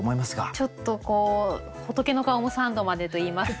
ちょっとこう仏の顔も三度までといいますか。